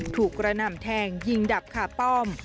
กระหน่ำแทงยิงดับขาป้อม